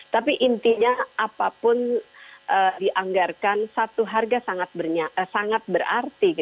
tapi intinya apapun dianggarkan satu harga sangat berarti